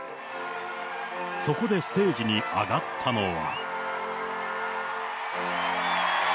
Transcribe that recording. そこでステージに上がったのは。